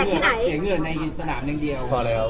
เสียเหงื่อในสนามอย่างเดียว